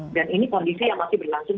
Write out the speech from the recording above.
dan ini kondisi yang masih berlangsung